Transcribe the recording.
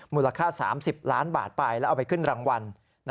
มูลค่า๓๐ล้านบาทไปแล้วเอาไปขึ้นรางวัล